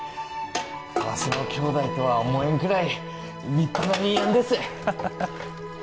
わしの兄弟とは思えんくらい立派な兄やんです